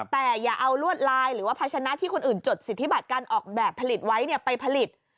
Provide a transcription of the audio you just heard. แต่อย่าเอาลวดลายหรือว่าภาชนะที่คนอื่นจดสิทธิบัตรการออกแบบผลิตไว้ไปผลิต